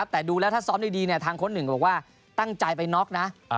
แต่ดูแล้วถ้าซ้อมดีทางโค้ดหนึ่งบอกว่าตั้งใจไปน็อกนะ